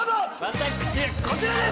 私はこちらです！